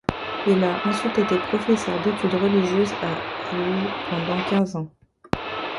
Il a ensuite été professeur d'études religieuses à l' pendant quinze ans.